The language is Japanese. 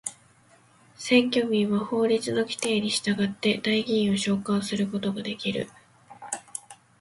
選挙民は法律の規定に従って代議員を召還することができる。